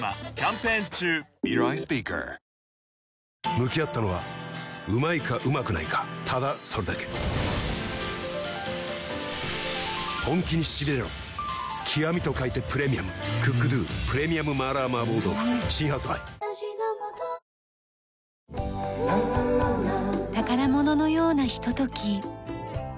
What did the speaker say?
向き合ったのはうまいかうまくないかただそれだけ極と書いてプレミアム「ＣｏｏｋＤｏ極麻辣麻婆豆腐」新発売宝物のようなひととき。